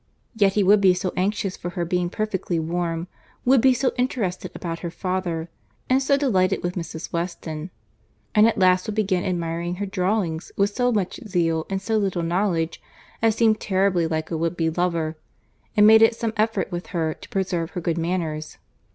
—Yet he would be so anxious for her being perfectly warm, would be so interested about her father, and so delighted with Mrs. Weston; and at last would begin admiring her drawings with so much zeal and so little knowledge as seemed terribly like a would be lover, and made it some effort with her to preserve her good manners.